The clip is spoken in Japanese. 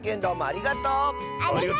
ありがとう！